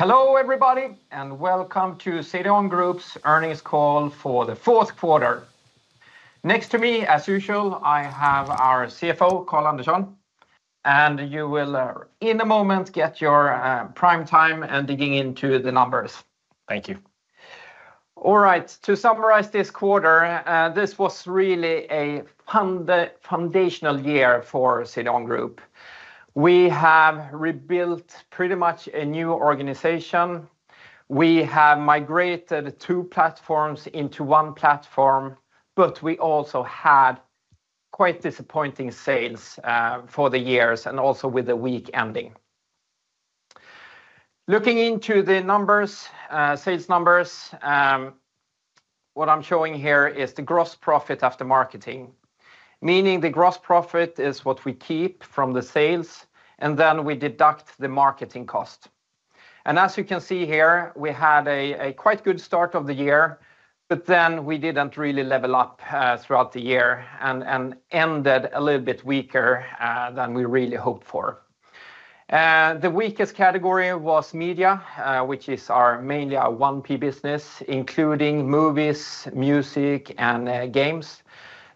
Hello, everybody, and Welcome to CDON Group's Earnings Call for the Fourth Quarter. Next to me, as usual, I have our CFO, Carl Andersson, and you will, in a moment, get your prime time and digging into the numbers. Thank you. All right, to summarize this quarter, this was really a foundational year for CDON Group. We have rebuilt pretty much a new organization. We have migrated two platforms into one platform, but we also had quite disappointing sales for the years and also with the week ending. Looking into the numbers, sales numbers, what I'm showing here is the gross profit after marketing, meaning the gross profit is what we keep from the sales, and then we deduct the marketing cost. As you can see here, we had a quite good start of the year, but we did not really level up throughout the year and ended a little bit weaker than we really hoped for. The weakest category was media, which is mainly our 1P business, including movies, music, and games.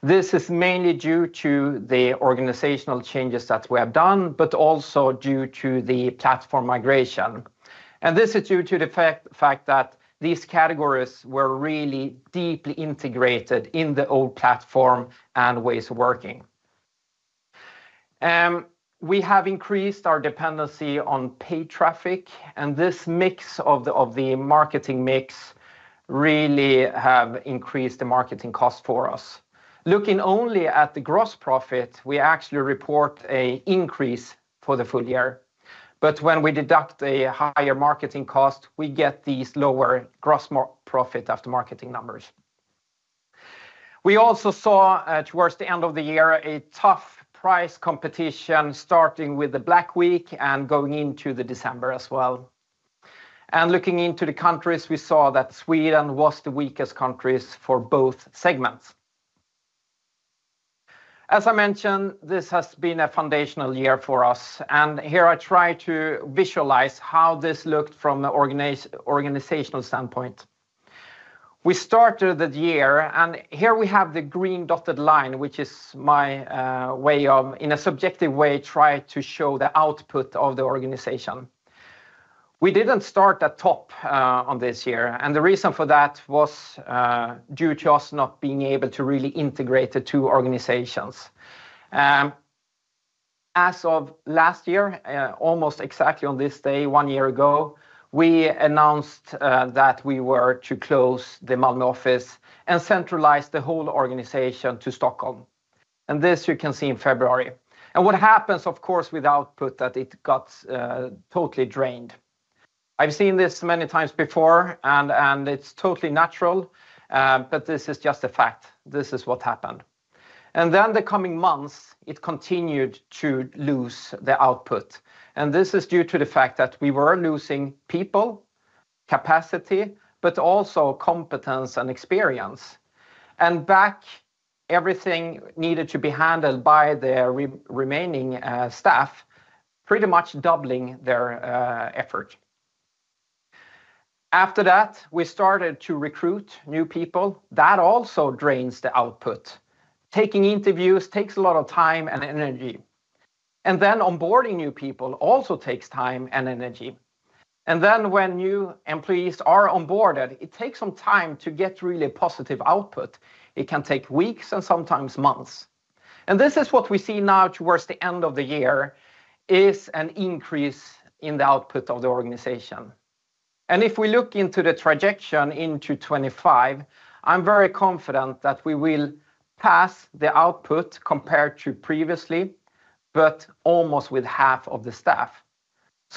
This is mainly due to the organizational changes that we have done, but also due to the platform migration. This is due to the fact that these categories were really deeply integrated in the old platform and ways of working. We have increased our dependency on paid traffic, and this mix of the marketing mix really has increased the marketing cost for us. Looking only at the gross profit, we actually report an increase for the full year. When we deduct a higher marketing cost, we get these lower gross profit after marketing numbers. We also saw towards the end of the year a tough price competition starting with the Black Week and going into December as well. Looking into the countries, we saw that Sweden was the weakest country for both segments. As I mentioned, this has been a foundational year for us. Here I try to visualize how this looked from an organizational standpoint. We started the year, and here we have the green dotted line, which is my way of, in a subjective way, trying to show the output of the organization. We did not start at top on this year, and the reason for that was due to us not being able to really integrate the two organizations. As of last year, almost exactly on this day, one year ago, we announced that we were to close the Malmö office and centralize the whole organization to Stockholm. You can see this in February. What happens, of course, with output is that it got totally drained. I have seen this many times before, and it is totally natural, but this is just a fact. This is what happened. In the coming months, it continued to lose output. This is due to the fact that we were losing people, capacity, but also competence and experience. Everything needed to be handled by the remaining staff, pretty much doubling their effort. After that, we started to recruit new people. That also drains the output. Taking interviews takes a lot of time and energy. Onboarding new people also takes time and energy. When new employees are onboarded, it takes some time to get really a positive output. It can take weeks and sometimes months. This is what we see now towards the end of the year, an increase in the output of the organization. If we look into the trajection into 2025, I'm very confident that we will pass the output compared to previously, but almost with half of the staff.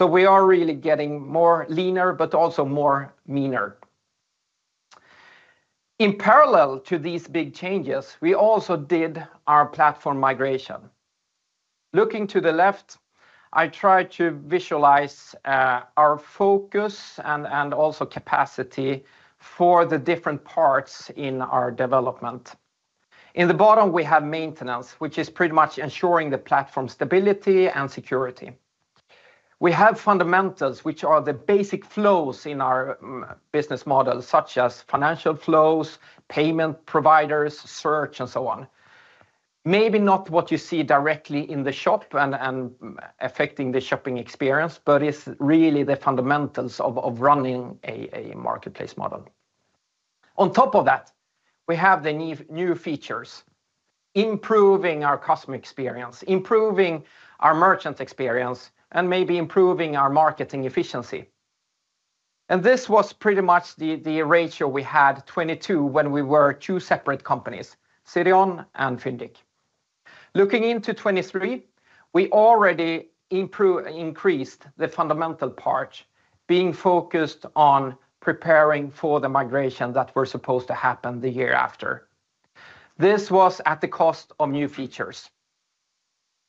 We are really getting more leaner, but also more meaner. In parallel to these big changes, we also did our platform migration. Looking to the left, I try to visualize our focus and also capacity for the different parts in our development. In the bottom, we have maintenance, which is pretty much ensuring the platform stability and security. We have fundamentals, which are the basic flows in our business model, such as financial flows, payment providers, search, and so on. Maybe not what you see directly in the shop and affecting the shopping experience, but it's really the fundamentals of running a marketplace model. On top of that, we have the new features, improving our customer experience, improving our merchant experience, and maybe improving our marketing efficiency. This was pretty much the ratio we had, 2022, when we were two separate companies, CDON and Fyndiq. Looking into 2023, we already increased the fundamental part, being focused on preparing for the migration that was supposed to happen the year after. This was at the cost of new features.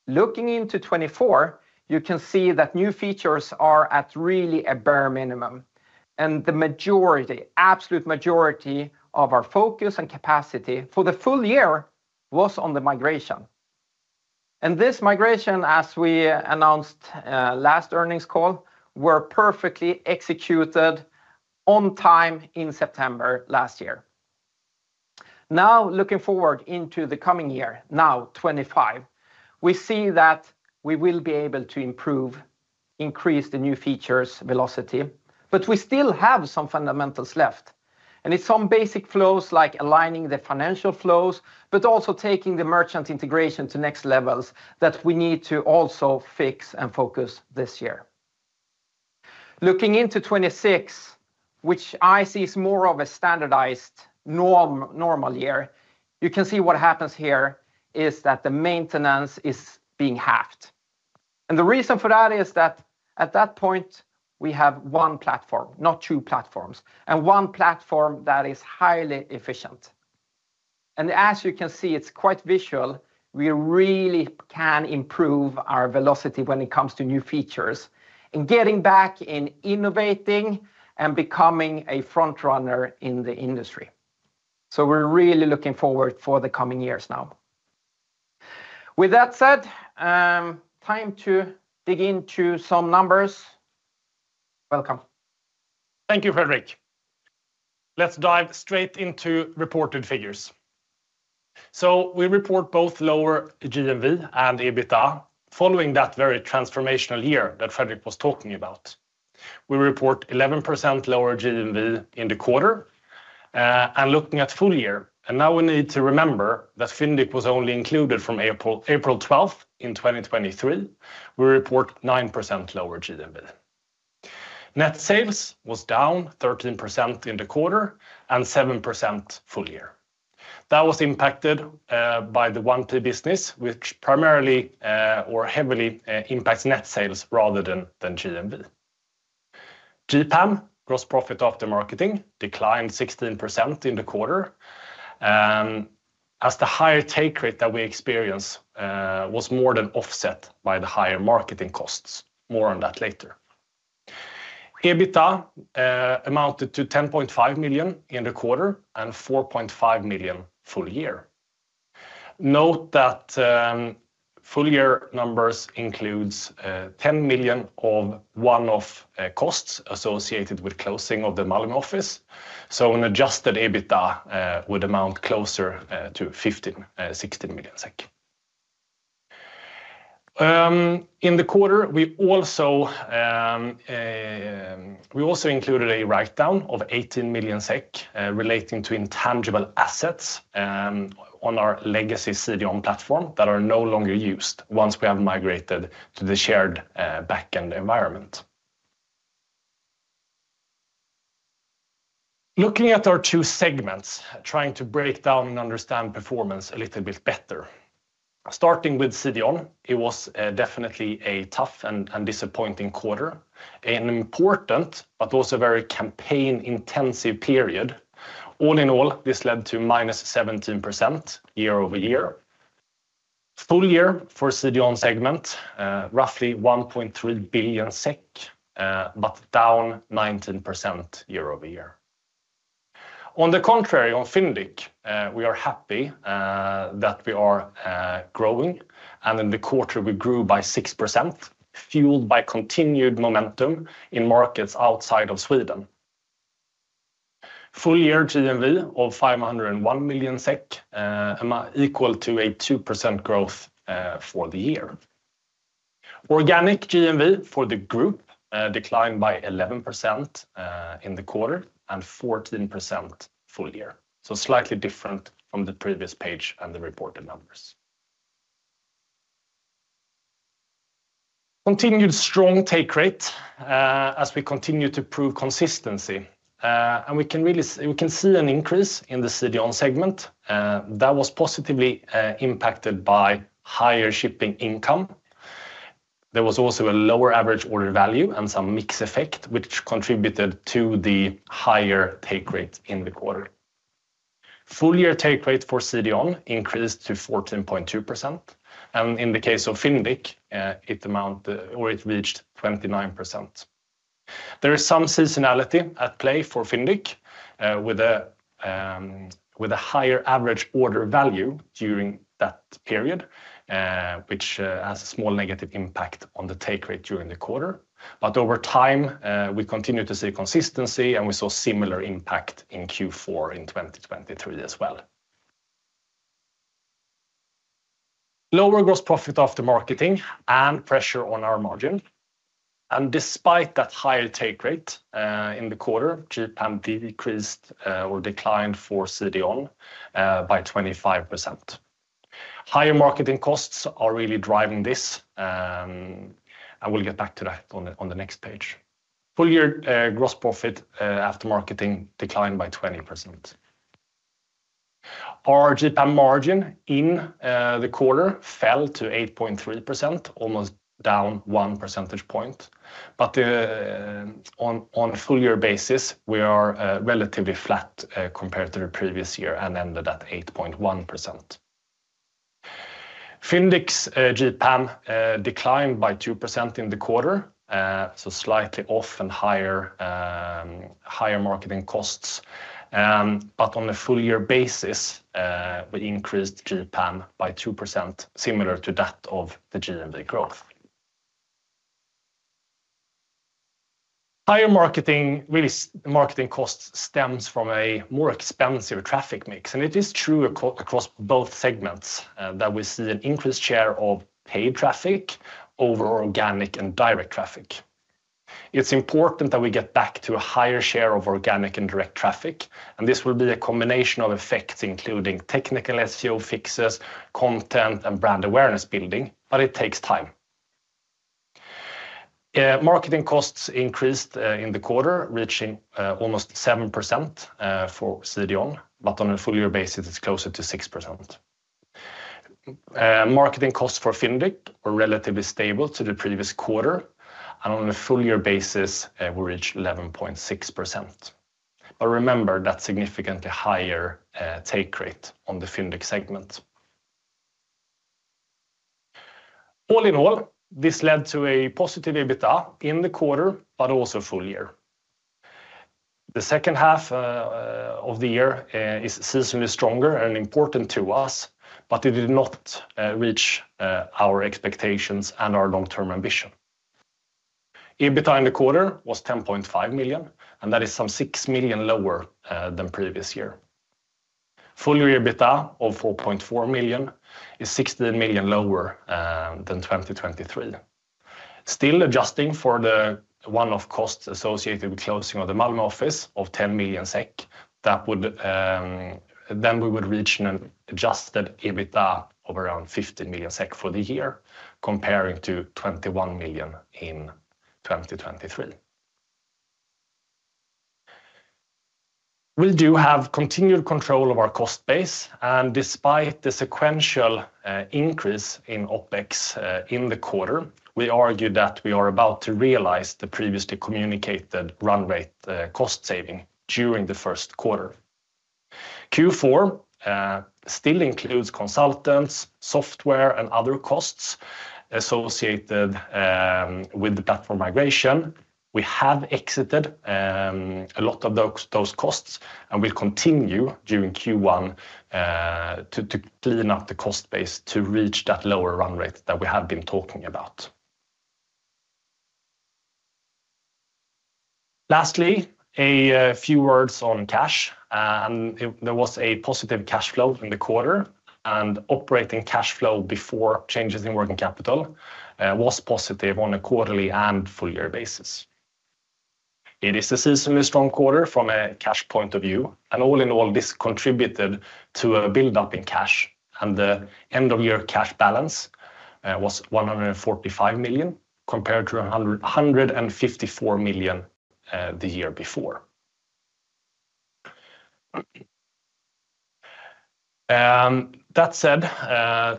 Looking into 2024, you can see that new features are at really a bare minimum. The majority, absolute majority of our focus and capacity for the full year was on the migration. This migration, as we announced last earnings call, was perfectly executed on time in September last year. Now, looking forward into the coming year, now 2025, we see that we will be able to improve, increase the new features velocity, but we still have some fundamentals left. It is some basic flows like aligning the financial flows, but also taking the merchant integration to next levels that we need to also fix and focus this year. Looking into 2026, which I see is more of a standardized normal year, you can see what happens here is that the maintenance is being halved. The reason for that is that at that point, we have one platform, not two platforms, and one platform that is highly efficient. As you can see, it is quite visual. We really can improve our velocity when it comes to new features and getting back in innovating and becoming a front runner in the industry. We are really looking forward for the coming years now. With that said, time to dig into some numbers. Welcome. Thank you, Fredrik. Let's dive straight into reported figures. We report both lower GMV and EBITDA following that very transformational year that Fredrik was talking about. We report 11% lower GMV in the quarter and looking at full year. We need to remember that Fyndiq was only included from April 12th in 2023. We report 9% lower GMV. Net sales was down 13% in the quarter and 7% full year. That was impacted by the 1P business, which primarily or heavily impacts net sales rather than GMV. GPAM, gross profit after marketing, declined 16% in the quarter as the higher take rate that we experienced was more than offset by the higher marketing costs. More on that later. EBITDA amounted to 10.5 million in the quarter and 4.5 million full year. Note that full year numbers include 10 million of one-off costs associated with closing of the Malmö office. An adjusted EBITDA would amount closer to 15 million - 16 million SEK. In the quarter, we also included a write-down of 18 million SEK relating to intangible assets on our legacy CDON platform that are no longer used once we have migrated to the shared backend environment. Looking at our two segments, trying to break down and understand performance a little bit better. Starting with CDON, it was definitely a tough and disappointing quarter. An important, but also very campaign-intensive period. All in all, this led to -17% year-over-year. Full year for CDON segment, roughly 1.3 billion SEK, but down 19% year-over-year. On the contrary, on Fyndiq, we are happy that we are growing. In the quarter, we grew by 6%, fueled by continued momentum in markets outside of Sweden. Full year GMV of 501 million SEK equal to a 2% growth for the year. Organic GMV for the group declined by 11% in the quarter and 14% full year. Slightly different from the previous page and the reported numbers. Continued strong take rate as we continue to prove consistency. We can see an increase in the CDON segment that was positively impacted by higher shipping income. There was also a lower average order value and some mixed effect, which contributed to the higher take rate in the quarter. Full year take rate for CDON increased to 14.2%. In the case of Fyndiq, it reached 29%. There is some seasonality at play for Fyndiq with a higher average order value during that period, which has a small negative impact on the take rate during the quarter. Over time, we continue to see consistency and we saw similar impact in Q4 in 2023 as well. Lower gross profit after marketing and pressure on our margin. Despite that higher take rate in the quarter, GPAM decreased or declined for CDON by 25%. Higher marketing costs are really driving this. We will get back to that on the next page. Full year gross profit after marketing declined by 20%. Our GPAM margin in the quarter fell to 8.3%, almost down one percentage point. On a full year basis, we are relatively flat compared to the previous year and ended at 8.1%. Fyndiq's GPAM declined by 2% in the quarter, so slightly off and higher marketing costs. On a full year basis, we increased GPAM by 2%, similar to that of the GMV growth. Higher marketing costs stem from a more expensive traffic mix. It is true across both segments that we see an increased share of paid traffic over organic and direct traffic. It's important that we get back to a higher share of organic and direct traffic. This will be a combination of effects, including technical SEO fixes, content, and brand awareness building, but it takes time. Marketing costs increased in the quarter, reaching almost 7% for CDON, but on a full year basis, it's closer to 6%. Marketing costs for Fyndiq were relatively stable to the previous quarter. On a full year basis, we reached 11.6%. Remember that significantly higher take rate on the Fyndiq segment. All in all, this led to a positive EBITDA in the quarter, but also full year. The second half of the year is seasonally stronger and important to us, but it did not reach our expectations and our long-term ambition. EBITDA in the quarter was 10.5 million, and that is some 6 million lower than previous year. Full year EBITDA of 4.4 million is 16 million lower than 2023. Still, adjusting for the one-off costs associated with closing of the Malmö office of 10 million SEK, then we would reach an adjusted EBITDA of around 15 million SEK for the year, comparing to 21 million in 2023. We do have continued control of our cost base. Despite the sequential increase in OpEx in the quarter, we argue that we are about to realize the previously communicated run rate cost saving during the first quarter. Q4 still includes consultants, software, and other costs associated with the platform migration. We have exited a lot of those costs and will continue during Q1 to clean up the cost base to reach that lower run rate that we have been talking about. Lastly, a few words on cash. There was a positive cash flow in the quarter. Operating cash flow before changes in working capital was positive on a quarterly and full year basis. It is a seasonally strong quarter from a cash point of view. All in all, this contributed to a build-up in cash. The end-of-year cash balance was 145 million compared to 154 million the year before. That said,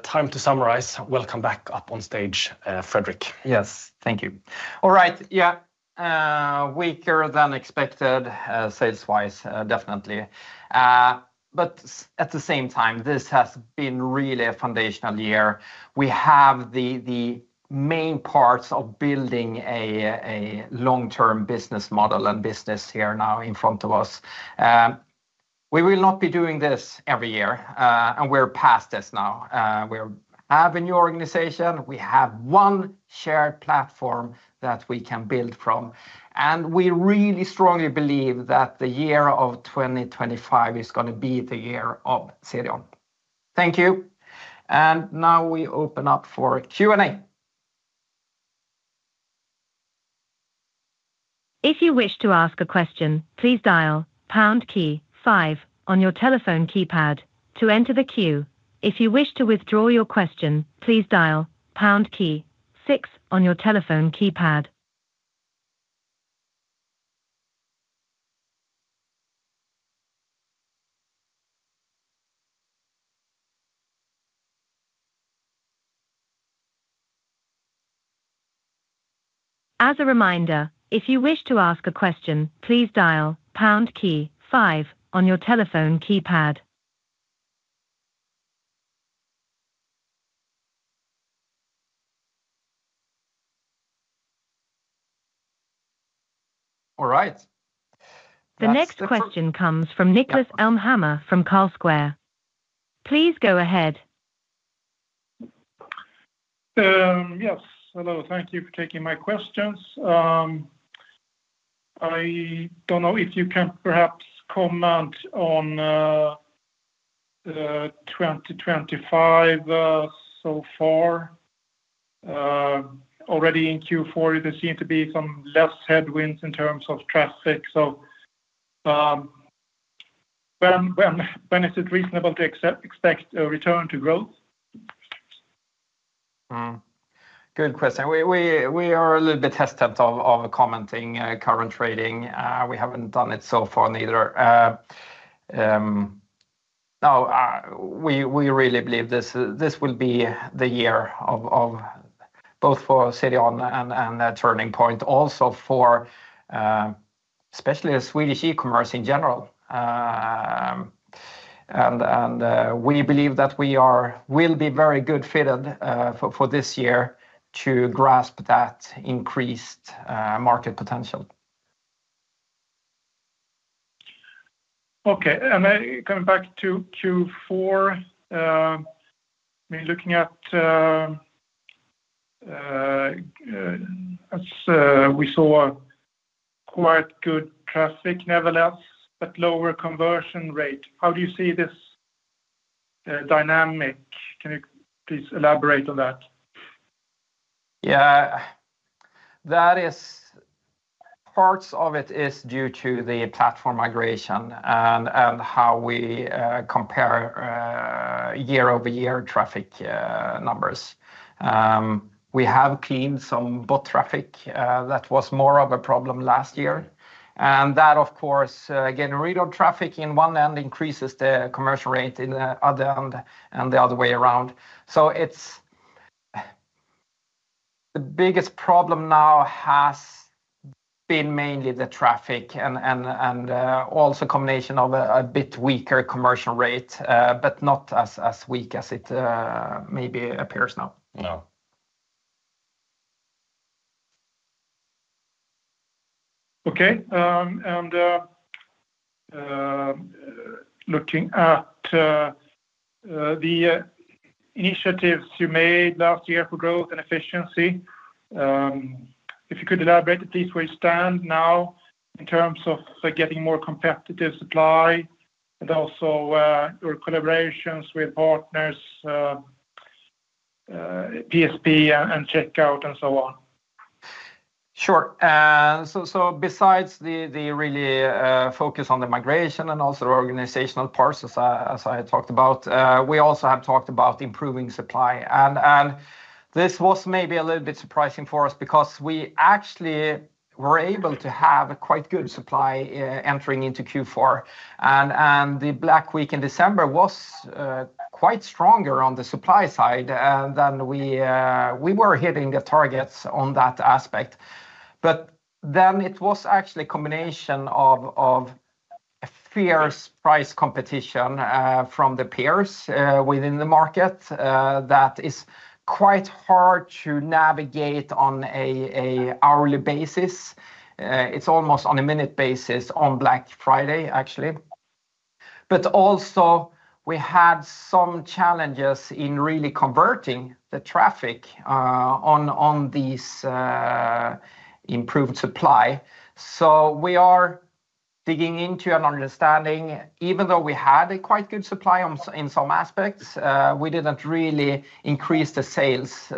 time to summarize. Welcome back up on stage, Fredrik. Yes, thank you. All right, yeah. Weaker than expected sales-wise, definitely. At the same time, this has been really a foundational year. We have the main parts of building a long-term business model and business here now in front of us. We will not be doing this every year. We are past this now. We have a new organization. We have one shared platform that we can build from. We really strongly believe that the year of 2025 is going to be the year of CDON. Thank you. Now we open up for Q&A. If you wish to ask a question, please dial pound key five on your telephone keypad to enter the queue. If you wish to withdraw your question, please dial pound key six on your telephone keypad. As a reminder, if you wish to ask a question, please dial pound key five on your telephone keypad. All right. The next question comes from Niklas Elmhammer from Carlsquare. Please go ahead. Yes. Hello. Thank you for taking my questions. I don't know if you can perhaps comment on 2025 so far. Already in Q4, there seem to be some less headwinds in terms of traffic. When is it reasonable to expect a return to growth? Good question. We are a little bit hesitant of commenting current rating. We haven't done it so far neither. Now, we really believe this will be the year of both for CDON and a turning point also for especially Swedish e-commerce in general. We believe that we will be very good fitted for this year to grasp that increased market potential. Okay. Coming back to Q4, we're looking at we saw quite good traffic nevertheless, but lower conversion rate. How do you see this dynamic? Can you please elaborate on that? Yeah. Parts of it is due to the platform migration and how we compare year-over-year traffic numbers. We have cleaned some bot traffic that was more of a problem last year. That, of course, getting rid of traffic in one end increases the conversion rate in the other end and the other way around. The biggest problem now has been mainly the traffic and also a combination of a bit weaker conversion rate, but not as weak as it maybe appears now. No. Okay. Looking at the initiatives you made last year for growth and efficiency, if you could elaborate at least where you stand now in terms of getting more competitive supply and also your collaborations with partners, PSP and Checkout and so on. Sure. Besides the really focus on the migration and also the organizational parts, as I talked about, we also have talked about improving supply. This was maybe a little bit surprising for us because we actually were able to have quite good supply entering into Q4. The Black Week in December was quite stronger on the supply side than we were hitting the targets on that aspect. It was actually a combination of fierce price competition from the peers within the market that is quite hard to navigate on an hourly basis. It's almost on a minute basis on Black Friday, actually. Also, we had some challenges in really converting the traffic on this improved supply. We are digging into an understanding, even though we had a quite good supply in some aspects, we didn't really increase the sales.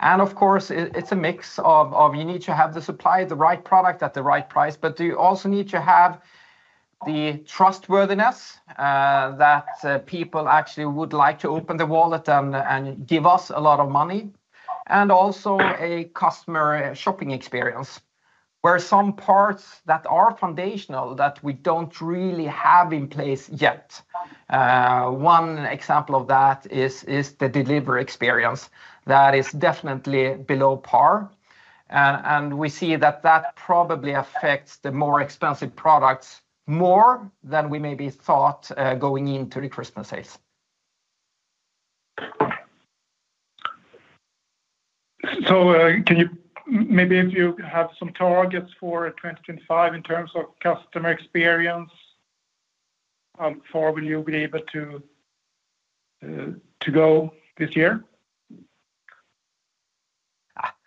Of course, it's a mix of you need to have the supply, the right product at the right price, but you also need to have the trustworthiness that people actually would like to open the wallet and give us a lot of money, and also a customer shopping experience where some parts that are foundational that we don't really have in place yet. One example of that is the delivery experience that is definitely below par. We see that that probably affects the more expensive products more than we maybe thought going into the Christmas sales. Maybe if you have some targets for 2025 in terms of customer experience, how far will you be able to go this year?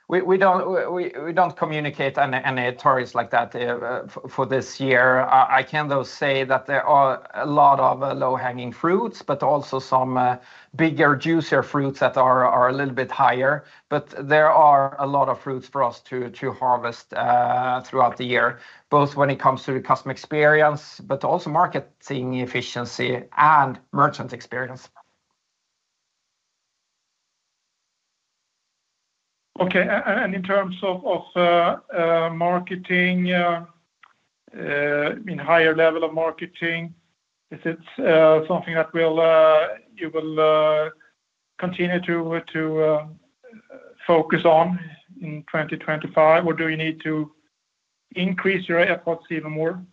We don't communicate any targets like that for this year. I can though say that there are a lot of low-hanging fruits, but also some bigger, juicier fruits that are a little bit higher. There are a lot of fruits for us to harvest throughout the year, both when it comes to the customer experience, but also marketing efficiency and merchant experience. Okay. In terms of marketing, I mean, higher level of marketing, is it something that you will continue to focus on in 2025, or do you need to increase your efforts even more?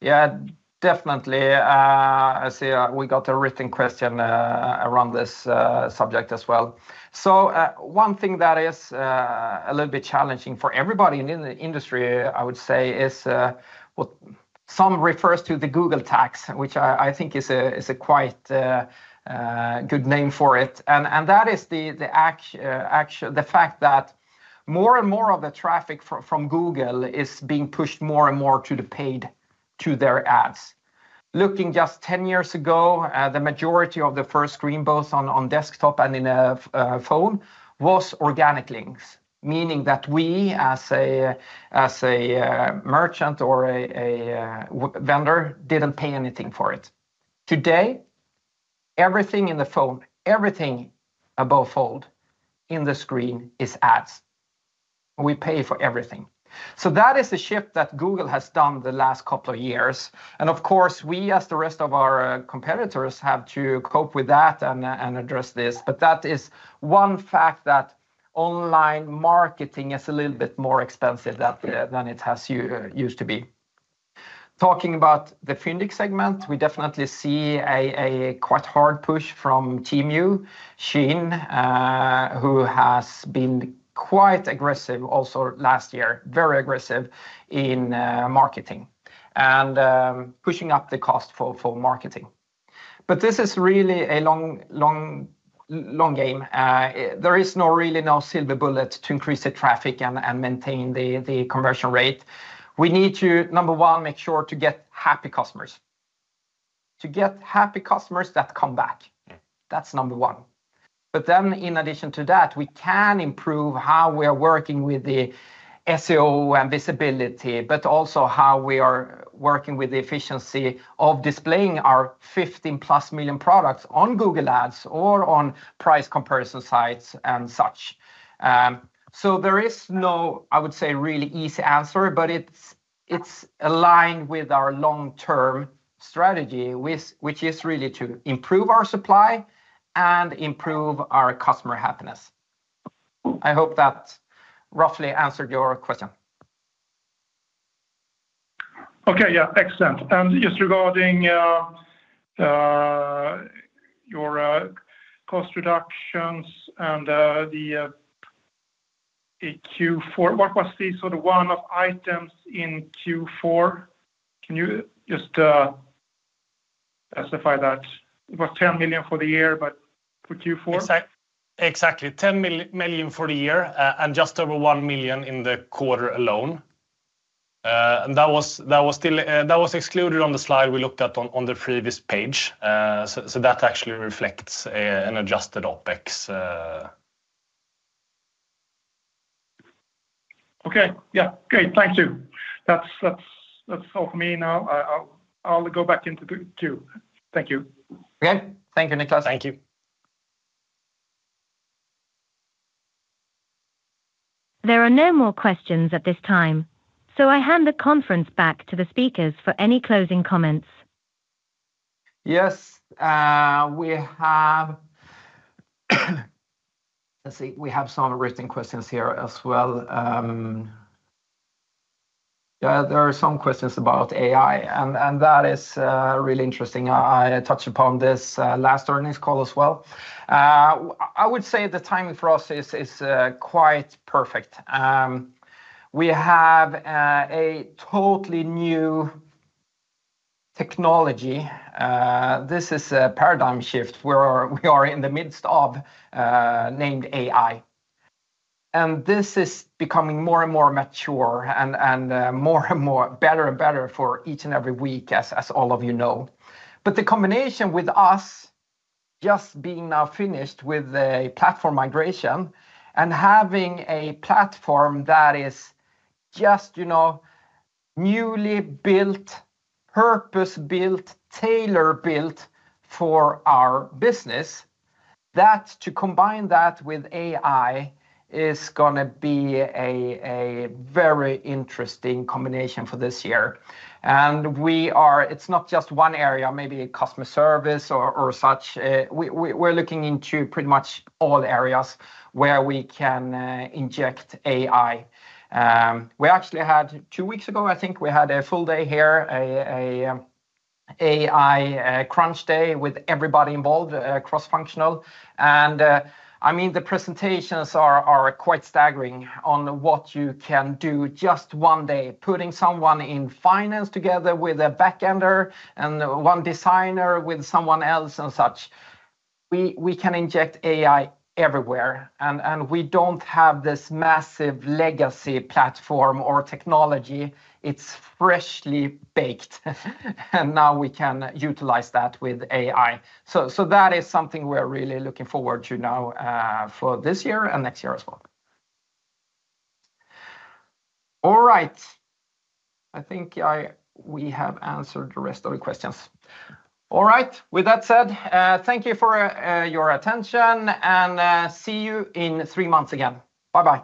Yeah, definitely. I see we got a written question around this subject as well. One thing that is a little bit challenging for everybody in the industry, I would say, is what some refer to as the Google tax, which I think is a quite good name for it. That is the fact that more and more of the traffic from Google is being pushed more and more to the paid, to their ads. Looking just 10 years ago, the majority of the first screen both on desktop and in a phone was organic links, meaning that we as a merchant or a vendor did not pay anything for it. Today, everything in the phone, everything above hold in the screen is ads. We pay for everything. That is the shift that Google has done the last couple of years. Of course, we as the rest of our competitors have to cope with that and address this. That is one fact that online marketing is a little bit more expensive than it has used to be. Talking about the Fyndiq segment, we definitely see a quite hard push from Temu, Shein, who has been quite aggressive also last year, very aggressive in marketing and pushing up the cost for marketing. This is really a long game. There is really no silver bullet to increase the traffic and maintain the conversion rate. We need to, number one, make sure to get happy customers. To get happy customers that come back, that's number one. In addition to that, we can improve how we are working with the SEO and visibility, but also how we are working with the efficiency of displaying our 15+ million products on Google Ads or on price comparison sites and such. There is no, I would say, really easy answer, but it is aligned with our long-term strategy, which is really to improve our supply and improve our customer happiness. I hope that roughly answered your question. Okay. Yeah. Excellent. Just regarding your cost reductions and the Q4, what was the sort of one-off items in Q4? Can you just specify that it was 10 million for the year, but for Q4? Exactly. 10 million for the year and just over 1 million in the quarter alone. That was excluded on the slide we looked at on the previous page. That actually reflects an adjusted OpEx. Okay. Yeah. Great. Thank you. That's all for me now. I'll go back into Q. Thank you. Okay. Thank you, Niklas. Thank you. There are no more questions at this time. I hand the conference back to the speakers for any closing comments. Yes. Let's see. We have some written questions here as well. There are some questions about AI. That is really interesting. I touched upon this last earnings call as well. I would say the timing for us is quite perfect. We have a totally new technology. This is a paradigm shift where we are in the midst of named AI. This is becoming more and more mature and more and more better and better for each and every week, as all of you know. The combination with us just being now finished with the platform migration and having a platform that is just newly built, purpose-built, tailor-built for our business, to combine that with AI is going to be a very interesting combination for this year. It's not just one area, maybe customer service or such. We're looking into pretty much all areas where we can inject AI. We actually had two weeks ago, I think we had a full day here, an AI crunch day with everybody involved, cross-functional. I mean, the presentations are quite staggering on what you can do just one day, putting someone in finance together with a back-ender and one designer with someone else and such. We can inject AI everywhere. We don't have this massive legacy platform or technology. It's freshly baked. Now we can utilize that with AI. That is something we're really looking forward to now for this year and next year as well. All right. I think we have answered the rest of the questions. All right. With that said, thank you for your attention and see you in three months again. Bye-bye.